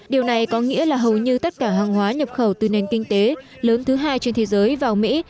điều này có nghĩa là hầu như tất cả hàng hóa nhập khẩu từ nền kinh tế lớn thứ hai trên thế giới vào mỹ